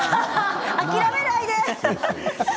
諦めないで！